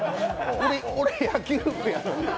俺、野球部やのに。